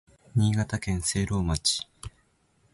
新潟県聖籠町